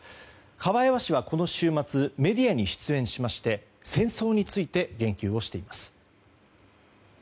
カバエワ氏は、この週末メディアに出演しまして戦争について言及をしています。